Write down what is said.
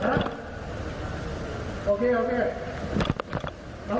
อ่ะเขาครับ